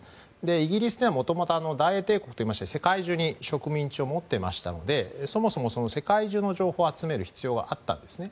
イギリスでは元々大英帝国といいまして世界中に植民地を持っていましたのでそもそも世界中の情報を集める必要があったんですね。